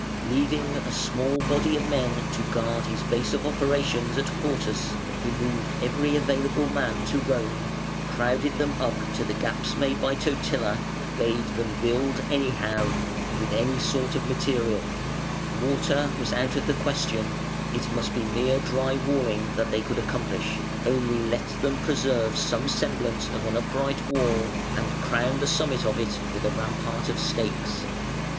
Leaving a small body of men to guard his base of operations at Portus, he moved every available man to Rome, crowded them up to the gaps made by Totila, bade them build anyhow, with any sort of material mortar was out of the question; it must be mere dry walling that they could accomplish, only let them preserve some semblance of an upright wall, and crown the summit of it with a rampart of stakes.